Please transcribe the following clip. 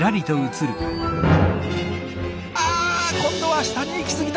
あ今度は下に行き過ぎた。